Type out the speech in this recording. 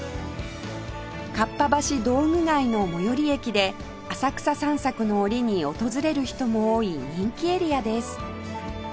かっぱ橋道具街の最寄り駅で浅草散策の折に訪れる人も多い人気エリアです